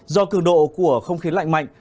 do cường độ của không khí lạnh mạnh